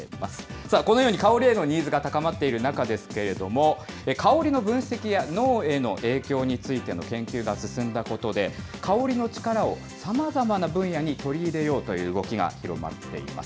さあ、このように香りへのニーズが高まっている中ですけれども、香りの分析や脳への影響についての研究が進んだことで、香りの力をさまざまな分野に取り入れようという動きが広まっています。